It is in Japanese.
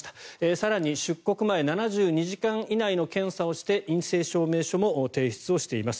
更に、出国前７２時間以内の検査をして陰性証明書も提出をしています。